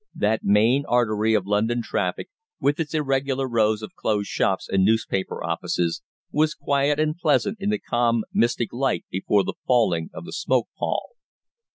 That main artery of London traffic, with its irregular rows of closed shops and newspaper offices, was quiet and pleasant in the calm, mystic light before the falling of the smoke pall.